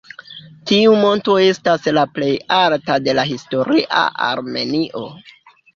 Tiu monto estas la plej alta de la historia Armenio.